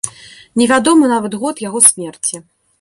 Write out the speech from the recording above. Невядомы нават год яго смерці.